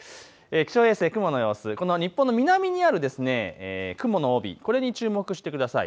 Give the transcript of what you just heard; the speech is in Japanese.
気象衛星、雲の様子の日本の南にある雲の帯、これに注目してください。